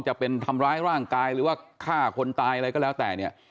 จะเป็นทำร้ายร่างกายหรือว่าฆ่าคนตายอะไรก็แล้วแต่เนี่ย